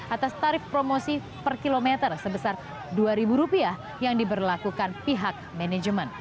atas tarif promosi per kilometer sebesar rp dua yang diberlakukan pihak manajemen